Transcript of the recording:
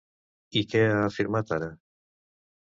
I què ha afirmat ara?